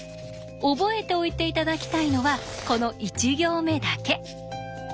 覚えておいて頂きたいのはこの１行目だけ。